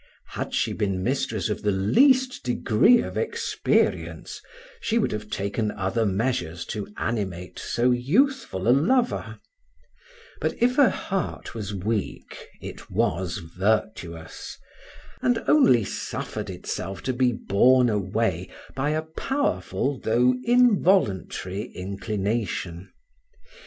Had she been mistress of the least degree of experience, she would have taken other measures to animate so youthful a lover; but if her heart was weak, it was virtuous; and only suffered itself to be borne away by a powerful though involuntary inclination.